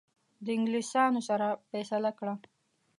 د انګلیسانو سره فیصله کړه.